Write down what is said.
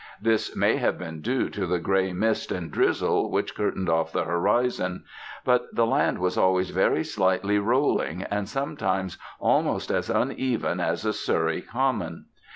This may have been due to the grey mist and drizzle which curtained off the horizon. But the land was always very slightly rolling, and sometimes almost as uneven as a Surrey common.